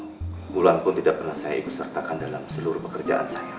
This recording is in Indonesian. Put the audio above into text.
enam bulan pun tidak pernah saya ikut sertakan dalam seluruh pekerjaan saya